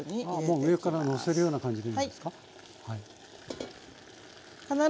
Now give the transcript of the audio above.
もう上からのせるような感じでいいんですか？